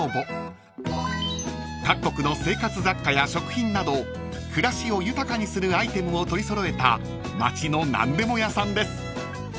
［各国の生活雑貨や食品など暮らしを豊かにするアイテムを取り揃えた街の何でも屋さんです］